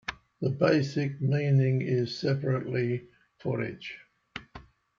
The basic meaning is "separately for each".